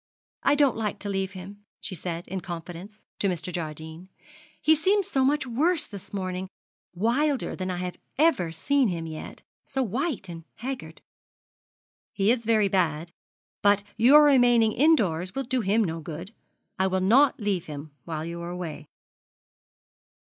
'I don't like to leave him,' she said, in confidence, to Mr. Jardine; 'he seems so much worse this morning wilder than I have ever seen him yet and so white and haggard.' 'He is very bad, but your remaining indoors will do him no good. I will not leave him while you are away.'